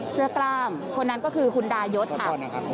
เสื้อกล้ามคนนั้นก็คือคุณดายศค่ะ